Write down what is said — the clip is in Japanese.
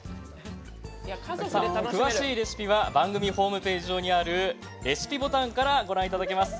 詳しいレシピは番組ホームページ上にあるレシピボタンからご覧いただけます。